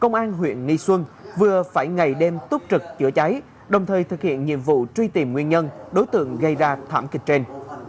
công an huyện nghi xuân vừa phải ngày đêm túc trực chữa cháy đồng thời thực hiện nhiệm vụ truy tìm nguyên nhân đối tượng gây ra thảm kịch trên